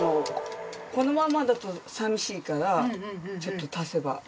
このまんまだと寂しいからちょっと足せば。